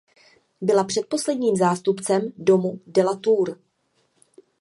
Byla předposledním zástupcem domu de la Tour.